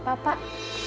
ada apa pak